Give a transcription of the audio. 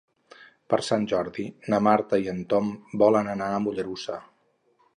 Per Sant Jordi na Marta i en Tom volen anar a Mollerussa.